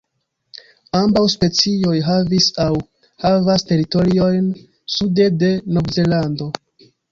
Ambaŭ specioj havis aŭ havas teritoriojn sude de Novzelando.